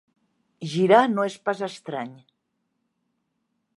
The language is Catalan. Girar no és pas estrany.